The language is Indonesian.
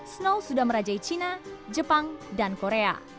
snow sudah merajai cina jepang dan korea